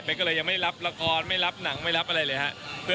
ก็เลยยังไม่รับละครไม่รับหนังไม่รับอะไรเลยครับ